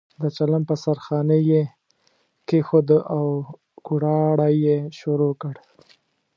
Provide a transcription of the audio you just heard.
د چلم په سر خانۍ یې کېښوده او کوړاړی یې شروع کړ.